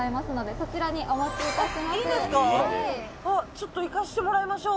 ちょっと行かせてもらいましょう。